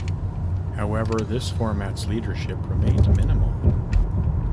However, this format's listenership remained minimal.